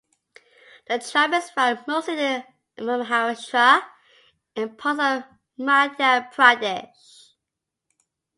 The tribe is found mostly in Maharashtra and parts of Madhya Pradesh.